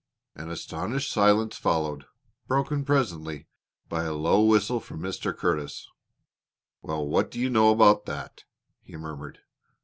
An astonished silence followed, broken presently by a low whistle from Mr. Curtis. "Well, what do you know about that," he murmured.